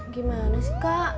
gimana sih kak